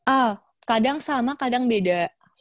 ah kadang sama kadang beda